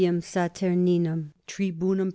Saturninum tribunum pl.